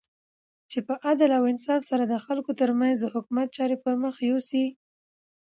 چی په عدل او انصاف سره د خلګو ترمنځ د حکومت چاری پرمخ یوسی